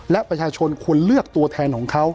และประชาชนควรเลือกตัวแทนของเขา